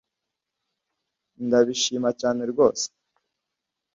Ndabishima cyane rwose